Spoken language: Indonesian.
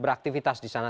beraktivitas di sana